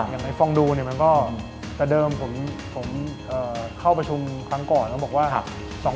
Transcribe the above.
อย่างในฟองดูแต่เดิมผมเข้าประชุมครั้งก่อน